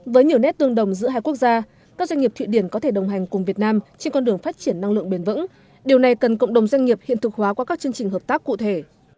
với nhiều nét tương đồng giữa hai quốc gia các doanh nghiệp thụy điển có thể đồng hành cùng việt nam trên con đường phát triển năng lượng bền vững điều này cần cộng đồng doanh nghiệp hiện thực hóa qua các chương trình hợp tác cụ thể